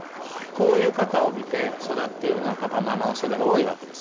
こういう方を見て育っているのはパパママの世代多いわけです。